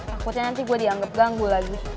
takutnya nanti gue dianggap ganggu lagi